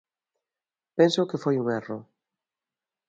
Penso que foi un erro.